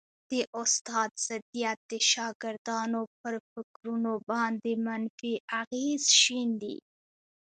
د استاد ضدیت د شاګردانو پر فکرونو باندي منفي اغېز شیندي